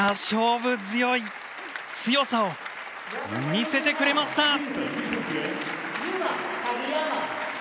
勝負強い強さを見せてくれました。